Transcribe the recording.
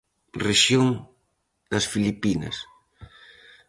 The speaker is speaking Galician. Rexión das Filipinas.